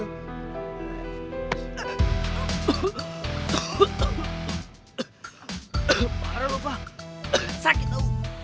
parah lupa sakit tau